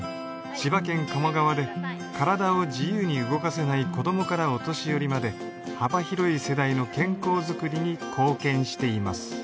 千葉県鴨川でからだを自由に動かせない子どもからお年寄りまで幅広い世代の健康づくりに貢献しています